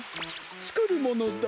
つくるものだ。